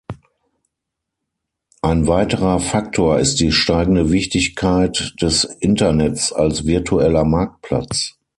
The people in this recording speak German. Ein weiterer Faktor ist die steigende Wichtigkeit des Internets als virtueller Marktplatz.